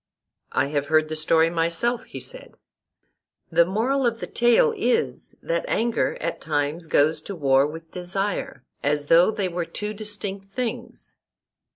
I have heard the story myself, he said. The moral of the tale is, that anger at times goes to war with desire, as though they were two distinct things.